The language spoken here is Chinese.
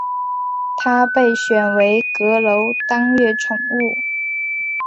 他被选为阁楼当月宠物。